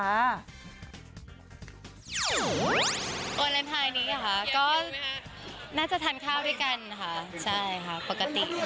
วันวันสม่ำเสมอนี้นะคะก็น่าจะทานข้าวด้วยกันค่ะใช่ค่ะปกติ